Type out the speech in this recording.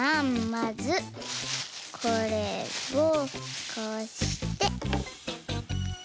まずこれをこうして。